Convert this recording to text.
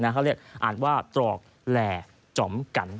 เขาเรียกอ่านว่าตรอกแหล่จอมกัน